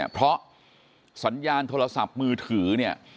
เพราะสัญญาณโทรศัพท์มือถือเนี่ย